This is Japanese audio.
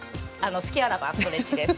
隙あらばストレッチです！